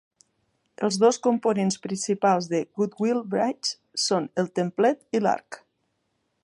Els dos components principals de The Goodwill Bridge són el templet i l"arc.